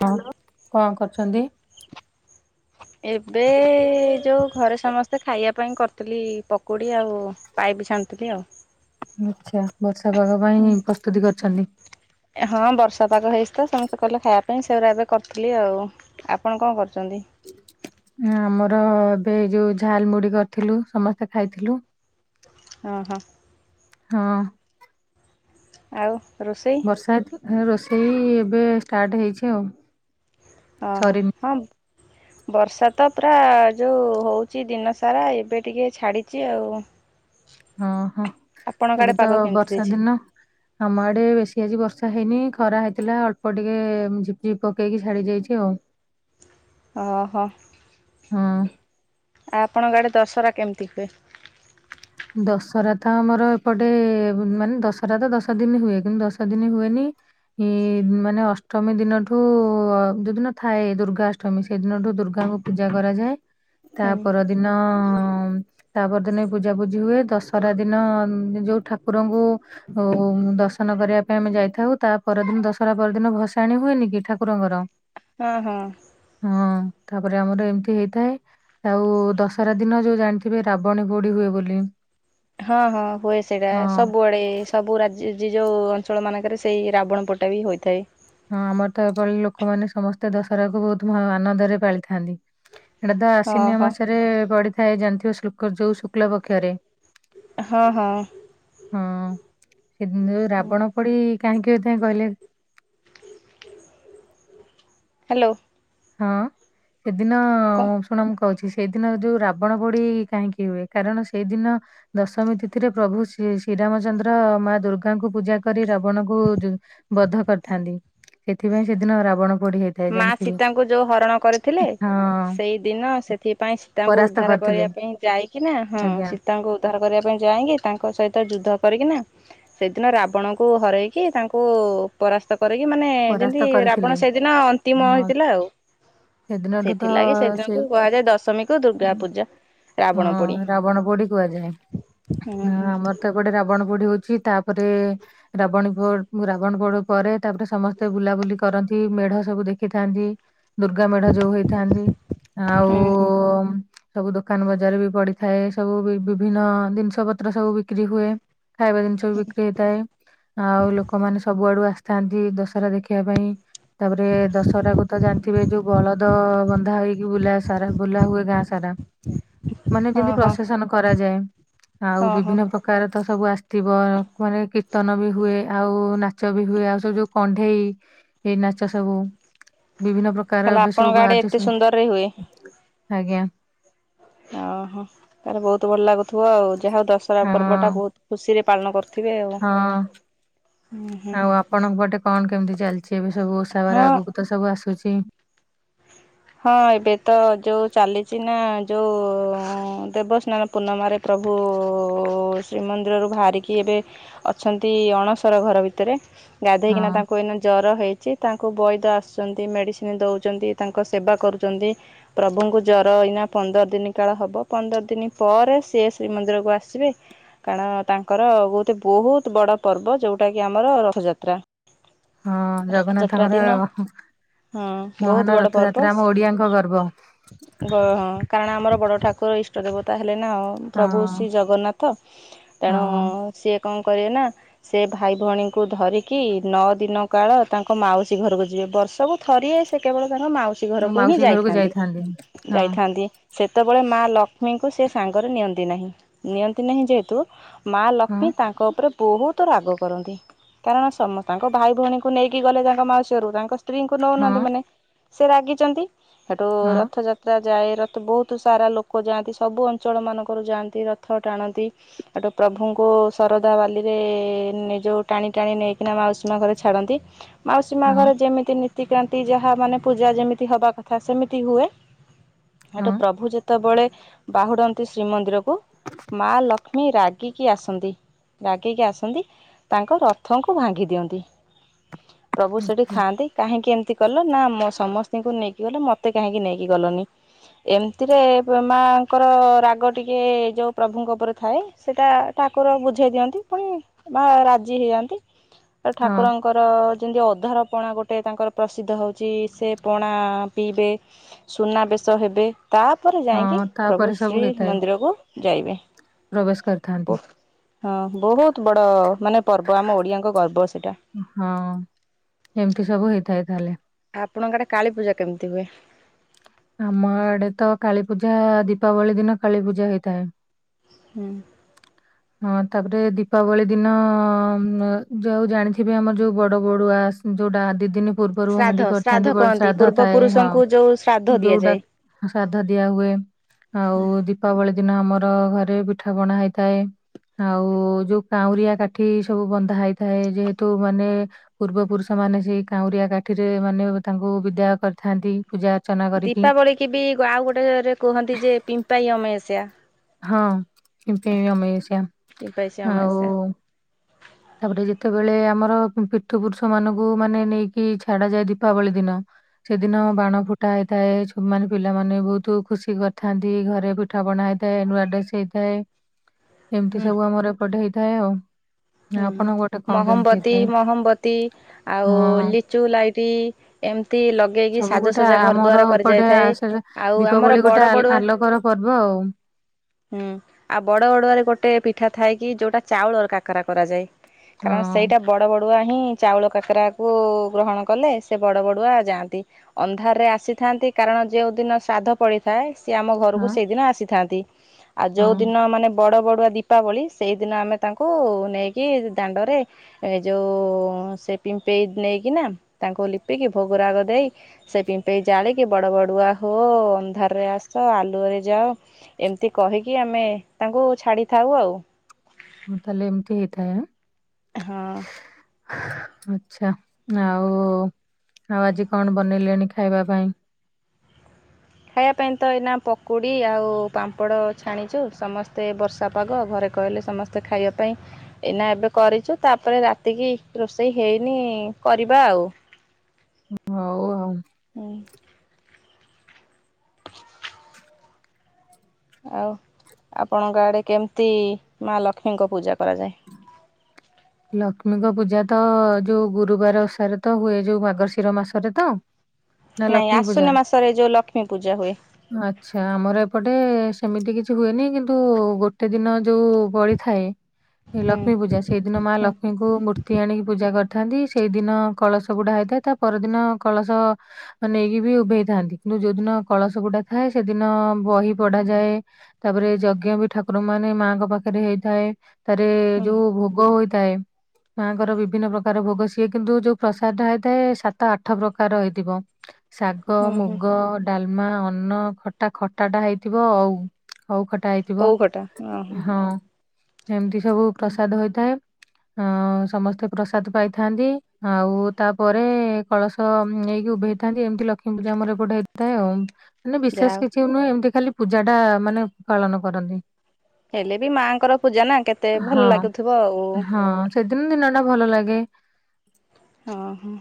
ତମର କଣ କରୁଚନ୍ତି? ଏବେ ଯୋଉ ଘରେ ସମସ୍ତେ ଖାଇବା ପାଇଁ କରିଥିଲି ପକୁଡ଼ି ଆଉ। ପାଇପ୍ ଛାଣୁଥିଲି ଆଉ। ଆଛା ବର୍ଷା ପାଗ ପାଇଁ ପ୍ରସ୍ତୁତି କରିଛନ୍ତି। ଏ ହଁ ବର୍ଷା ପାଗ ହେଇସି ତ ସମସ୍ତେ କହିଲେ ଖାଇବା ପାଇଁ ସେଉରା ଏବେ କରୁଥିଲି ଆଉ। ଆପଣ କଣ କରୁଚନ୍ତି? ଆମର ଏବେ ଯୋଉ ଝାଲ ମୁଢି କରିଥିଲୁ ସମସ୍ତେ ଖାଇଥିଲୁ। ଓହୋ। ହଁ। ଆଉ ରୋଷେଇ? ସାଇଟିରୁ ରୋଷେଇ ଏବେ ଷ୍ଟାର୍ଟ ହେଇଛି ଆଉ। ଓହୋ ସରିନି ହମ୍। [inaudible] ବର୍ଷା ତ ପୁରା ଯଉ ହେଉଛି ଦିନସାରା ଏବେ ଟିକିଏ ଛାଡ଼ିଚି ଆଉ। ହଁ ହଁ ଆପଣଙ୍କ ଏବେ ଆଡେ ତ ପାଗ କେମିତି ବର୍ଷା ଦେଇଛି? ଦିନ। ଆମ ଆଡେ ବେଶୀ ଆଜି ବର୍ଷା ହେଇନି ଖରା ହେଇଥିଲା ଅଳ୍ପ ଟିକେ ଝିପ୍ ଝିପ୍ ପକେଇକି ଛାଡି ଯାଇଛି ଆଉ। ଅ ହ। ହଁ। ଆପଣଙ୍କ ଆଡେ ଦଶହରା କେମିତି ହୁଏ? ଦଶହରା ତ ଆମର ଏପଟେ ମାନେ ଦଶହରା ତ ଦଶ ଦିନ ହୁଏ କିନ୍ତୁ ଦଶ ଦିନ ହୁଏନି। ହୁଁ ମାନେ ଅଷ୍ଟମୀ ଦିନଠୁ ଯୋଉଦିନ ଥାଏ ଦୁର୍ଗାଷ୍ଟ ଷ୍ଟମୀ ସେଇଦିନଠୁ ଦୁର୍ଗାଙ୍କୁ ପୂଜା କରାଯାଏ। ତା ହୁଁ ପରଦିନ ତା ପରଦିନବି ପୂ ଜାପୂଜିି ହୁଏ ଦଶହରା ଦିନ ଯୋଉ ଠାକୁରଙ୍କୁ ହଉ ଦର୍ଶନ କରିବା ପାଇଁ ଆମେ ଯାଇଥାଉ, ତା ପରଦିନ ଦଶହରା ପରଦିନ ଭସାଣି ହୁଏନି କି ଠାକୁରଙ୍କର ହଁ ହଁ। ହଁ ତାପରେ ଆମର ଏମିତି ହେଇଥାଏ। ଆଉ ଦଶହରା ଦିନ ଯୋଉ ଜାଣିଥିବେ ରାବଣୀ ପୋଡି ହୁଏ ବୋଲି। ହଁ ହଁ ହୁଏ ସେଇଟା ହଁ ସବୁଆଡେ ସବୁ ରାଜ୍ୟ ଯେ ଯୋଉଁ ଅଞ୍ଚଳ ମାନଙ୍କରେ ସେଇ ରାବଣ ପୋଡିଟା ବି ହୋଇଥାଏ। ହଁ ଆମର ତ ଏଭଳି ଲୋକମାନେ ସମସ୍ତେ ଦଶହରାକୁୁ ବହୁତ ଭ ଆନନ୍ଦରେ ପାଳିଥାନ୍ତି। ଏଟା ତ ହଁ ଆଶ୍ଵିନ ହଁ ମାସରେ ପଡିଥାଏ ଜାଣିଥିବ ଶ୍ଲୁକ ଯୋଉ ଶୁକ୍ଲ ପକ୍ଷରେ। ହଁ ହଁ। ହଁ ସେଦିନ ଯୋଉ ରାବଣ ପୋଡି କାହିଁକି ହୋଇଥାଏ କହିଲେ? ହାଲୋ। ହଁ ସେଦିନ କ ଶୁଣ କ କହୁଛି ସେଇଦିନ ଯୋଉ ରାବଣ ପୋଡି କାହିଁକି ହୁଏ କାରଣ ସେଇଦିନ ଦଶମୀ ତିଥିରେ ପ୍ରଭୁ ଶି ଶ୍ରୀରାମଚନ୍ଦ୍ର ମା ଦୁର୍ଗାଙ୍କୁ ପୂଜା କରି ରାବଣଙ୍କୁ ବଧ କରିଥାନ୍ତି। ସେଥିପାଇଁ ସେଦିନ ରାବଣ ପୋଡି ହେଇଥାଏ ଜାଣିଥିବେ। ଙ୍କୁ ଯୋଉ ହରଣ କରି ଥିଲେ ହଁ ସେଇ ଦିନ ସେଥିପାଇଁ ସୀତାଙ୍କୁ ପରାସ୍ତ ଉଦ୍ଧାର କରିଥିଲେ କରିବା ପାଇଁ ଯାଇକିନା ହଁ ଆଜ୍ଞା ତାଙ୍କୁ ଉଦ୍ଧାର କରିବା ପାଇଁ ଯାଇଙ୍କି ତାଙ୍କ ସହିତ ଯୁଦ୍ଧ କରିକିନା ସେଦିନ ରାବଣଙ୍କୁ ହରେଇକି ତାଙ୍କୁ ପରାସ୍ତ କରିକି ମାନେ ପରାସ୍ତ ଯେମିତି କରିଥିଲେ। ରାବଣ ସେଦିନ ଅନ୍ତିମ ହଁ ହେଇଥିଲା ଆଉ। ସେଦିନଠୁ ତ ସେଥିଲାଗି ସେ ସେଦିନକୁ କୁହାଯାଏ ଦଶମୀକୁୁ ଦୁର୍ଗା ପୂଜା। ରାବଣ ପୋଡି ହଁ ରାବଣ ପୋଡି କୁହାଯାଏ। ହୁଁ ହଁ ହୁଁ। ଆମର ତ ଏପଟେ ରାବଣ ପୋଡି ହଉଚି, ତାପରେ ରାବଣି ପୋଡ୍ ରାବଣ ପୋଡୁ ପରେ ତାପରେ ସମସ ତେ ବୁଲାବୁଲି କରନ୍ତି ମେଢ ସବୁ ଦେଖିଥାନ୍ତି ଦୁର୍ଗା ମେଢ ଯୋଉ ହେଇଥାନ୍ତି। ଆ ଉଁ ହୁଁ। ବଂ ସବୁ ଦୋକାନ ବଜାର ବି ପଡିଥାଏ ସବୁ ବି ବିଭିନ୍ନ ଜିନିଷ ପତ୍ର ସବୁ ବିକ୍ରି ହୁଏ। ଖାଇବା ଜିନ୍ଷ ସବୁ ବିକ୍ରି ହେଇଥାଏ ଆଉ ଲୋକମାନେ ସବୁଆଡୁ ଆସିଥାନ୍ତି ଦଶହରା ଦେଖିବା ପାଇଁ। ତାପରେ ଦଶହରା କୁ ତ ଜାଣିଥିବେ ଯୋଉ ବଳଦ ବନ୍ଧା ହୋଇକି ବୁଲା ସାରା ବୁଲା ହୁଏ ଗାଁ ସାରା। ମାନେ ଯେମତି ଓହୋ ପ୍ରସେସନ କରାଯାଏ ଆଉ ଓହୋ ବିଭିନ୍ନ ପ୍ର କାର ତ ସବୁ ଆସିଥିବ କୁହାଯାଏ କୀର୍ତ୍ତନ ବି ହୁଏ ଆଉ ନାଚ ବି ହୁଏ ଆଉ ସବୁ ଯୋଉ କଣ୍ଢେଇ ନାଚ ସବୁ ବିଭିନ୍ନ ପ୍ର କାର ତାହେଲେ ଏବେ ସବୁ ଆପଣଙ୍କ ଆଡେ ବାହାରୁଚି ଏତେ ସବୁ ସୁନ୍ଦରରେ ହୁଏ। ଆଜ୍ଞା। ଓ ହୋ ତାର ବୋହୁତ ଭଲ ଲାଗୁଥିବ ଆଉ ଯାହା ହୋଉ ଦଶହରା ହଁ ପର୍ବଟା ବୋହୁତ ଖୁସିରେ ପାଳନ କରୁଥିବେ ଆଉ। ହଁ ହୁଁ ହୁଁ ଆଉ ଆପଣଙ୍କ ପଟେ କଣ କେମିତି ଚାଲିଚି ଏବେ ସବୁ ଓଷାବାର ହଁ ଆଗକୁ ତ ସବୁ ଆସୁଚି। ହଁ ଏବେ ତ ଯୋଉ ଚାଲିଚି ନା ଯୋଉ ଉଁ ଦେବସ୍ନାନ ପୂର୍ଣ୍ଣମାରେ ପ୍ରଭୁ ଶ୍ରୀମନ୍ଦିରରୁ ବାହାରିକି ଏବେ ଅଛନ୍ତି ଅଣସର ଘର ଭିତରେ। ହଁ ଗାଧୋଇକିନା ତାଙ୍କୁ ଏଇନା ଜର ହେଇଚି ତାଙ୍କୁ ବୈଦ ଆସୁଚନ୍ତି ମେଡିସିନ ଦୋଉଚନ୍ତି ତା ଙ୍କ ସେବା କରୁଚନ୍ତି। ପ୍ରଭୁଙ୍କୁ ଜର ଏଇନା ପନ୍ଦର ଦିନ କାଳ ହବ ପନ୍ଦର ଦିନି ପରେ ସେ ଶ୍ରୀମନ୍ଦିରକୁ ଆସିବେ। କାରଣ ତାଙ୍କର ଗୋଟେ ବୋହୁତ ବଡ ପର୍ବ ଯୋଉଟା କି ଆମର ରଥଯାତ୍ରା। ହଁ ରଥଯାତ୍ରା ଜଗନ୍ନାଥଙ୍କର ଦିନ ଉଁହୁଁ ହଁ ବହୁତ ମହାନ ବଡ଼ ରଥଯା ତ୍ରା ଆମ ଓଡିଆଙ୍କ ଗର୍ବ। ବ ହଁ କାରଣ ଆମର ବଡ ଠାକୁର ଇଷ୍ଟ ଦେବତା ହେଲେ ନା ପ୍ରଭୁ ଶ୍ରୀ ହଁ ଜଗନ୍ନା ଥ ହଁ ତେଣୁ ସିଏ କଣ କରିବେ ନା ସିଏ ଭାଇ ଭଉଣୀଙ୍କୁ ଧରିକି ନଅ ଦିନ କାଳ ତାଙ୍କ ମାଉସୀ ଘରକୁ ଯିବେ। ବର୍ଷକୁ- ଥରିଏ ସେ କେବଳ ତାଙ୍କ ମାଉସୀ ମୋ ଘରକୁ ହିଁ ମାଉସୀ ଘରକୁ ଯାଇଥାନ୍ତି ହଁ ଯାଇଥାନ୍ତି। ସେତେବେଳେ ମା ଲକ୍ଷ୍ମୀଙ୍କୁ ସେ ସାଙ୍ଗରେ ନିଅନ୍ତି ନାହିଁ, ନିଅନ୍ତି ନାହିଁ ଯେହେତୁ ମା ହଁ ଲକ୍ଷ୍ମୀ ତାଙ୍କ ଉପରେ ବୋହୁତ ରାଗ କରନ୍ତି କାରଣ ସମ ତାଙ୍କ ଭାଇ ଭଉଣୀଙ୍କୁ ନେଇକି ଗଲେ ତାଙ୍କ ମାଉସୀ ଘରୁକୁ ତାଙ୍କ ସ୍ତ୍ରୀଙ୍କୁ ହଁ ନୋଉନାହାନ୍ତି ମାନେ ସେ ରାଗିଚନ୍ତି ହେଟୁ ହଁ ରଥଯା ତ୍ରା ଯାଏ ରଥ ବୋହୁତ ସାରା ଲୋକ ଯାଆନ୍ତି। ସବୁ ଅଞ୍ଚଳମାନଙ୍କରୁ ଯାଆନ୍ତି ରଥ ଟାଣନ୍ତି। ହେଠୁ ପ୍ରଭୁଙ୍କୁ ଶରଧା ବାଲିରେ ନେ ଜୋଉ ଟାଣି ଟାଣି ନେଇକିନା ମାଉସୀମା ଘରେ ଛାଡନ୍ତି। ମାଉସୀ ମା ହଁ ଘରେ ଯେମିତି ନୀତିକ୍ରାନ୍ତି ଯାହା ମାନେ ପୂଜା ଯେମିତି ହବା କଥା ସେମିତି ହୁଏ। ହେଠୁ ହଁ ପ୍ରଭୁ ସେତେବେଳେ ବାହୁଡନ୍ତି ଶ୍ରୀମନ୍ଦିରକୁ ମା ଲକ୍ଷ୍ମୀ ରାଗିକି ଆସନ୍ତି। ରାଗିକି ଆସନ୍ତି ତାଙ୍କ ରଥଙ୍କୁ ଭାଙ୍ଗି ଦିଅନ୍ତି। ପ୍ରଭୁ ସେଠି ଆଛା ଥାଆନ୍ତି କାହିଁକି ଏମିତି କଲ ନା ମୋ ସମସ୍ତିଙ୍କୁ ନେଇକି ଗଲେ ମତେ କାହିଁକି ନେଇକି ଗଲନି। ଏମିତିରେ ପ୍ର ମାଙ୍କର ରାଗ ଟିକେ ଯୋଉଁ ପ୍ରଭୁଙ୍କ ଉପରେ ଥାଏ ସେଟା ଠାକୁର ବୁଝେଇ ଦିଅନ୍ତି। ପୁଣି ମା ରାଜି ହେଇଯାନ୍ତି। ହଁ ଠାକୁରଙ୍କର ଯେମିତି ଅଧାର ପଣା ଗୋଟେ ତାଙ୍କର ପ୍ରସିଦ୍ଧ ହୋଉଚି। ସେ ପଣା ପିଇବେ ସୁନାବେଶ ହେବେ। ତାପରେ ଯାଇଁକି ହଁ ପ୍ରଭୁ ତାପରେ ସବୁ ହେଇଥାଏ ଶ୍ରୀମନ୍ଦିରକୁ ଯାଇବେ। ପ୍ରବେଶ କରଥା ହଁ ବହୁତ ବଡ ମାନେ ପର୍ବ ଆମ ଓଡିଆଙ୍କ ଗର୍ବ ସେଟା। ହଁ ଏମତି ସବୁ ହେଇଥାଏ ତାହେଲେ। ଆପଣଙ୍କ ଆଡେ କାଳି ପୂଜା କେମିତି ହୁଏ? ଆମ ଆଡେ ତ କାଳୀପୂଜା ଦୀପାବଳି ଦିନ କାଳୀପୂଜା ହେଇଥାଏ। ହୁଁ। ହଁ ତାପରେ ଦୀପାବଳି ଦିନ ଉଁ ଯୋଉ ଜାଣିଥିବେ ଆମର ଯୋଉ ବଡ ବଡୁଆ ଆ ଯୋଉଟା ଦି ଦିନ ପୂର୍ବରୁ ଶ୍ରାଦ୍ଧ ହାଣ୍ଡି ଶ୍ରାଦ୍ଧ କରିଥାନ୍ତି ବ କହନ୍ତି ଶ୍ରାଦ୍ଧ ପୂର୍ବ ଥାଏ ହଁ। ପୁରୁଷଙ୍କୁ ଯୋଉ ଶ୍ରାଦ୍ଧ ଯୋଉଟା ଦିଆଯାଏ। ଶ୍ରାଦ୍ଧ ଦିଆ ହୁଏ। ଆଉ ଦୀପାବଳି ଦିନ ଆମର ଘରେ ପିଠା ପଣା ହେଇଥାଏ। ଆଉ ଯୋଉ କାଉଁରିଆ କାଠି ସବୁ ବନ୍ଧା ହେଇଥାଏ ଯେହେତୁ ମାନେ ପୂର୍ବ ପୁରୁଷ ମାନେ ସେଇ କାଉଁରିଆ କାଠିରେ ମାନେ ତାଙ୍କୁ ବିଦାୟ କରିଥାନ୍ତି ପୂଜା ଅର୍ଚ୍ଚନା କରିକି। ଦୀପାବଳି କି ବି ଆଉ ଗୋଟେରେ କୁହନ୍ତି ଯେ ପିମ୍ପାଇ ଅମାବାସ୍ୟ। ହଁ ପିମ୍ପେଇ ଆମାବାସ୍ୟ ପିମ୍ପାଇ ଆଉ ଅମାବାସ୍ୟା। ତାପରେ ଯେତେବେଳେ ଆମର ପୀଠୁପୁରୁଷ ମାନଙ୍କୁ ମାନେ ନେଇକି ଛାଡା ଯାଏ ଦୀପାବଳି ଦିନ। ସେଦିନ ବାଣ ଫୁଟ୍ ଫୁଟା ହେଇଥାଏ ଛୁମାନେ ପିଲାମାନେ ବହୁତ ଖୁସି କରିଥାନ୍ତି ଘରେ ପିଠା ପଣା ହେଇଥାଏ ନୂଆ ଡ୍ରେସ ହେଇଥାଏ। ଏମତି ହୁଁ ସବୁ ଆମର ଏପଟେ ହେଇଥାଏ ଆଉ। ହୁଁ ଆପଣଙ୍କ ଗୋଟେ କଣ କେମିତି ମହମବତୀ ହେଇଥାଏ? ମହମବତୀ ଆଉ ହଁ ଲିଚୁ ଲାଇଟି ଏମିତି ଲଗେଇକି ସବୁ ଗୋଟେ ଆ- ସାଜସଜ୍ଜା ଘର ଆମର ଦ୍ଵାର କରି ଏପଟେ ଯାଇଥାଏ ଆସେ ଆଉ ଦୀପାବଳି ଆମର ଗୋଟେ ବଡ ଆଲ ବଡୁଆ ଆଲୋକର ପର୍ବ ଆଉ। ହୁଁ ଆଉ ବଡ ବଡୁଆରେ ଗୋଟେ ପିଠା ଥାଏ କି ଯୋଉଟା ଚାଉଳର କାକରା କରାଯାଏ। ହଁ କାରଣ ସେଇଟା ବଡ଼ ବଡ଼ୁଆ ହିଁ ଚାଉଳ କାକରାକୁ ଗ୍ରହଣ କଲେ ସେ ବଡ଼ ବଡ଼ୁଆ ଯାଆନ୍ତି। ଅନ୍ଧାରେ ଆସିଥାନ୍ତି କାରଣ ଯେଉଁ ଦିନ ଶ୍ରାଦ୍ଧ ପଡିଥାଏ ସିଏ ଆମ ଘରକୁ ହଁ ସେଇଦିନ ଆସିଥାନ୍ତି ଆଉ ହଁ ଯୋଉ ଦିନ ମାନେ ବଡ଼ ବଡ଼ୁଆ ଦୀପାବଳି ସେଇଦିନ ଆମେ ତାଙ୍କୁ ନେଇକି ଦାଣ୍ଡରେ ଏ ଯୋଉ ସେ ପିମ୍ପେଇ ନେଇକିନା ତାଙ୍କୁ ଲିପିକି ଭୋଗ ରାଗ ଦେଇ ସେ ପିମ୍ପେଇ ଜାଳିକି ବଡ଼ ବଡ଼ୁଆ ହୋ ଅନ୍ଧାରେ ଆସ ଆଲୁଅରେ ଯାଅ ଏମିତି କହିକି ଆମେ ତାଙ୍କୁ ଛାଡ଼ିଥାଉ ଆଉ। ହଁ ତାହେଲେ ଏମିତି ହେଇଥାଏ ଆଁ। ହଁ। ଆଚ୍ଛା ଆଉ ଆଉ ଆଜି କଣ ବନେଇଲେଣି ଖାଇବା ପାଇଁ? ଖାଇବା ପାଇଁ ତ ଏଇନା ପକୁଡ଼ି ଆଉ ପାମ୍ପଡ଼ ଜାଣିଚୁ ସମସ୍ତେ ବର୍ଷା ପାଗ ଘରେ କହିଲେ ସମସ୍ତେ ଖାଇବା ପାଇଁ। ଏଇନା ଏବେ କରିଚୁ ତାପରେ ରାତିକି ରୋଷେଇ ହେଇନି କରିବା ଆଉ। ହଉ [unintelligible] ହୁଁ। ଆଉ ଆପଣଙ୍କ ଆଡ଼େ କେମିତି ମାଁ ଲକ୍ଷ୍ମୀଙ୍କ ପୂଜା କରାଯାଏ? ଲକ୍ଷ୍ମୀଙ୍କ ପୂଜା ତ ଯୋଉ ଗୁରୁବାର ଓଷାରେ ତ ହୁଏ ଯୋଉ ମାର୍ଶିର ମାସରେ ତ? ନା ନାଇଁ ଲକ୍ଷ୍ମୀ ପୂଜା? ଆସ୍ୱିନ ମାସରେ ଯୋଉ ଲକ୍ଷ୍ମୀ ପୂଜା ହୁଏ। ଆଚ୍ଛା ଆମର ଏପଟେ ସେମିତି କିଛି ହୁଏନି କିନ୍ତୁ ଗୋଟେ ଦିନ ଯୋଉ ବଳିଥାଏ। ଏ ହୁଁ ଲକ୍ଷ୍ମୀ ପୂଜା ସେଇ ଦିନ ମା ହୁଁ ଲକ୍ଷ୍ମୀଙ୍କୁ ମୂର୍ତ୍ତି ଆଣିକି ପୂଜା କରିଥାନ୍ତି ସେଇ ଦିନ କଳସ ବୁଡା ହେଇଥାଏ ତା ପରଦିନ କଳସ ନେଇକି ବି ଉଭେଇଥାନ୍ତି କିନ୍ତୁ ଯୋଉଦିନ କଳସ ବୁଡା ଥାଏ ସେଦିନ ବହି ପଢାଯାଏ। ତାପରେ ଯଜ୍ଞ ବି ଠାକୁର ମାନେ ମାଆଙ୍କ ପାଖରେ ହେଇଥାଏ ତାରେ ହୁଁ। ଯୋଉ ଭୋ ଭୋଗ ହୋଇଥାଏ। ମାଙ୍କର ବିଭିନ୍ନ ପ୍ରକାର ଭୋଗ ସିଏ କିନ୍ତୁ ଯୋଉ ପ୍ରସାଦ ଟା ହେଇଥାଏ ସାତ ଆଠ ପ୍ରକାର ହେଇଥିବ। ଶାଗ ହୁଁ ହୁଁ ମୁଗ ଡାଲମା ଅନ୍ନ ଖଟା। ଖଟାଟା ହେଇଥିବ ଅଉ। ଅଉ ଖଟା ହେଇଥିବ। ଓଉ ଖଟା ଓହୋ ହଁ ଏମତି ସବୁ ପ୍ରସାଦ ହୋଇଥାଏ। ଅଁ ସମସ୍ତେ ପ୍ରସାଦ ପାଇଥାନ୍ତି। ଆଉ ତାପରେ କଳସ୍ ତ ନେଇକି ଉଭେଇଥାନ୍ତି ଏମତି ଲକ୍ଷ୍ମୀ ପୂଜା ଆମର ଏପଟେ ହେଇଥାଏ ଆଉମ୍। ମାନେ ଯାହା ବିଶେଷ ହଉ କିଛି ନୁହେଁ ଏମିତି ଖାଲି ପୂଜା ଟା ମାନେ ପାଳନ କରନ୍ତି। ହେଲେ ବି ମାଆଙ୍କର ପୂଜା ନା କେତେ ଭଲ୍ ହଁ ଲାଗୁଥିବ ଆଉ। ହଁ ସେଦିନ୍ ଦିନ ଟା ଭଲ ଲାଗେ। ହଁ ଅଁ ହଁ।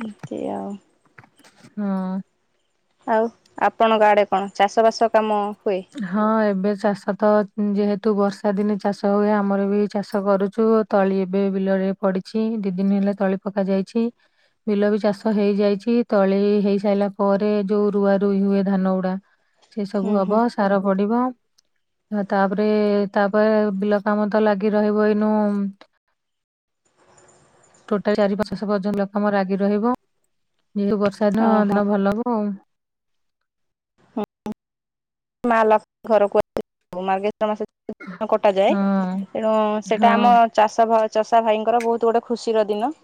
ଏତି ଆଉ ହଁ। ଆଉ ଆପଣଙ୍କ ଆଡେ କଣ ଚାଷ ବାସ କାମ ହୁଏ? ହଁ ଏବେ ଚାଷ ତ ଯେହେତୁ ବର୍ଷା ଦିନେ ଚାଷ ହୁଏ ଆମର ବି ଚାଷ କରୁଚୁ। ତଳି ଏବେ ବିଲରେ ପଡିଛି ଦି ଦିନି ହେଲା ତଳି ପକା ଯାଇଛି। ବିଲ ବି ଚାଷ ହେଇଯାଇଛି। ତଳି ଏଇ ହେଇ ସାଇଲା ପରେ ଯୋଉ ରୁଆ ରୁଇ ହୁଏ ଧାନ ଗୁଡା ସେ ହୁଁ ସବୁ ହୁଁ ହବ ସାର ପଡିବ ଆଁ ତାପରେ ତାପଏ ବିଲ କାମ ତ ଲାଗି ରହିବ ଏଇନୁ ଉମ୍ ଟୋଟାଲ୍ ଚାରି ପାଞ୍ଚଶହ ପର୍ଯ୍ୟନ୍ତ ଲକମ ରାଗି ରହିବ ଯେହେତୁ ବର୍ଷା ଦିନ ଓହୋ ଦିନ ଭଲ ହବ ଉମ୍। ମା ଲକ୍ଷ୍ ଘରକୁ ଆସି ବ ମାର୍ଗେ [unintelligible] କଟାଯାଏ ହଁ ତେଣୁ ସେଇଟା ହଁ ଆମ ଚାଷ ଭା ଚଷା ଭାଇଙ୍କର ବହୁତ୍ ଗୋଟେ ଖୁସି ର ଦିନ।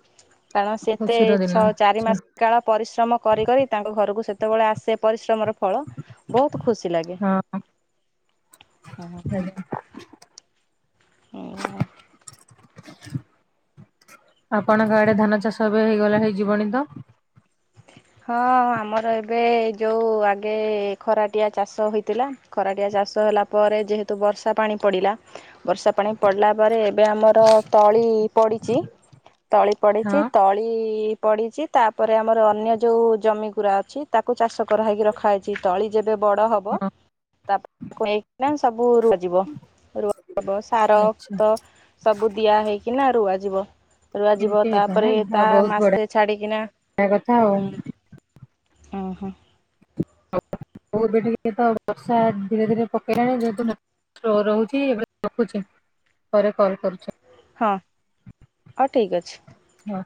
କାରଣ ସେତେ ଖୁସିର ଦିନ ଛଅ ଚାରି ଆଚ୍ଛା ମାସ କାଳ ପରିଶ୍ରମ କରି କରି ତାଙ୍କ୍ ଘରୁକୁ ସେତବେଳେ ଆସେ ପରିଶ୍ରମର ଫଳ। ବହୁତ୍ ଖୁସି ଲାଗେ ହଁ ହଁ ହଁ। ଆଜ୍ଞା ଉଁ ଆପଣଙ୍କ ଆଡେ ଧାନ ଚାଷ ଏବେ ହେଇଗଲା ହେଇଯିବଣି ତ? ହଁ ଅଁ ଆମର ଏବେ ଯୋଉ ଆଗେ ଖରାଟିଆ ଚାଷ ହୋଇଥିଲା। ଖରାଟିଆ ଚାଷ ହେଲା ପରେ ଯେହେତୁ ବର୍ଷା ପାଣି ପଡ଼ିଲା ବର୍ଷା ପାଣି ପଡିଲା ପରେ ଏବେ ଆମର ତଳି ପଡିଚି। ତଳି ପଡିଚି ହଁ ତଳି ପଡିଚି ତାପରେ ଆମ୍ ଆମର ଅନ୍ୟ ଯୋଉ ଜମି ଗୁୁରା ଅଛି ତାକୁ ଚାଷ କରାହେଇକି ରଖା ହେଇଚି। ତଳି ଯେବେ ବଡ ହବ ହଁ ତାପ୍ ତାକୁ ନେଇକିନା ସବୁ [unintelligible] ଯିବ ରୁଆ ହବ, ସାର, ଆଚ୍ଛା ଖତ ସବୁ ଦିଆ ହେଇକିନା ରୁଆ ଯିବ। ରୁଆଯିବ ଏମିତି ତାପରେ ତା ମାସେ ଛାଡିକିନା ଏ କଥା ଆଉ ଉଁ ହୁଁ। [unintelligible] ହଉ ଏବେ ଟିକେ ତ ବର୍ଷା ଧୀରେ ଧୀରେ ପକେଇଲାଣି ଯେହେତୁ ନ ଥ୍ରୋ ରହୁଛି ଏବେ ରଖୁଛି ପରେ କଲ୍ କରୁଛି। ହଁ ଆଉ ଠିକ୍ ଅଛି। ହଁ।